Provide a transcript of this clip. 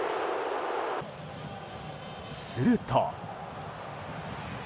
すると。